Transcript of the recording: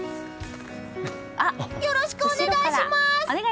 よろしくお願いします！